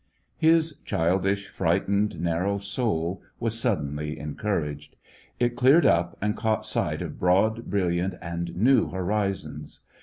His childish, frightened, narrow soul was sud denly encouraged ; it cleared up, and caught sight of broad, brilliant, and new horizons.